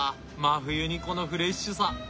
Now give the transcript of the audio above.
真冬にこのフレッシュさ！